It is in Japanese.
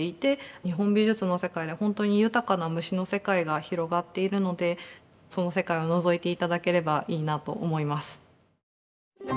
日本美術の世界では本当に豊かな虫の世界が広がっているのでその世界をのぞいて頂ければいいなと思います。